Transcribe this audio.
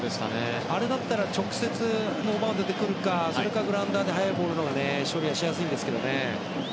あれだったら直接ノーマークで来るかそれか、グラウンダーで速いボールのほうが処理しやすいんですけどね。